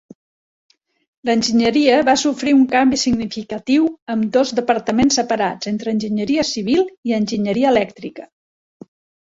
L'enginyeria va sofrir un canvi significatiu amb dos departaments separats entre enginyeria civil i enginyeria elèctrica.